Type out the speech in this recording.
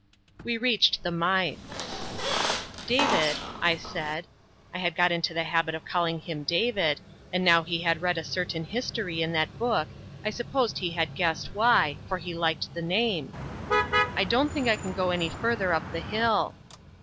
We reached the Mythe. "David," I said (I had got into a habit of calling him "David;" and now he had read a certain history in that Book I supposed he had guessed why, for he liked the name), "I don't think I can go any further up the hill."